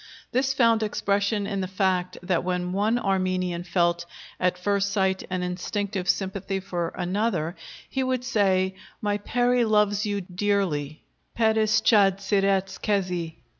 This found expression in the fact that when one Armenian felt at first sight an instinctive sympathy for another, he would say, "My peri loves you dearly (peris chad siretz kezi)."